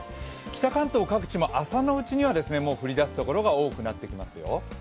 北関東各地も朝のうちには降りだすところが多くなってきますよ。